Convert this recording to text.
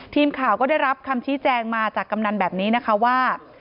ทีมข่าวก็ได้รับคำชี้แจงมาจากกำนันแบบนี้นะคะว่า